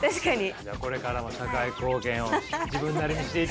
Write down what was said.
じゃあこれからも社会貢献を自分なりにしていってください。